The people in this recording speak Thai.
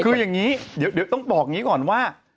คืออย่างงี้เดี๋ยวต้องบอกกันก่อนว่า